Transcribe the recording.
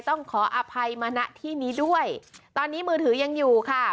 ต้องขออภัยมาณที่นี้ด้วยตอนนี้มือถือยังอยู่ค่ะ